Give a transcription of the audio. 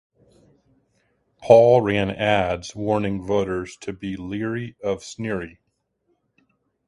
Paul ran ads warning voters to be "leery of Sneary".